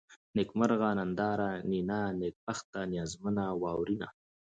نېکمرغه ، ننداره ، نينه ، نېکبخته ، نيازمنه ، واورېنه